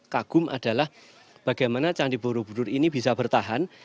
kagum adalah bagaimana candi borobudur ini bisa bertahan